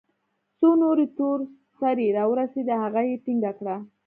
څو نورې تور سرې راورسېدې هغه يې ټينګه كړه.